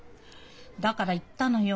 だから言ったのよ。